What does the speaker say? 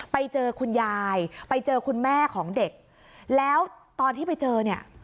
ไปเจอคุณยายไปเจอคุณแม่ของเด็กแล้วตอนที่ไปเจอเนี่ย